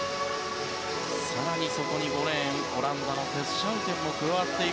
更に、そこに５レーン、オランダのテス・シャウテンも加わります。